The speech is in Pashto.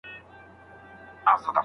د صحيحي نکاح پرته حقوق نه ثابتيږي.